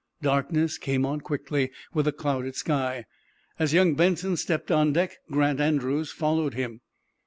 Darkness came on quickly, with a clouded sky. As young Benson stepped on deck Grant Andrews followed him.